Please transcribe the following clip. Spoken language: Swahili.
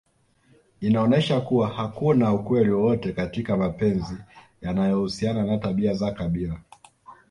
Inaonyesha kuwa hakuna ukweli wowote katika mapenzi yanayohusiana na tabia za kabila